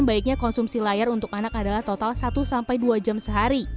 baiknya konsumsi layar untuk anak adalah total satu sampai dua jam sehari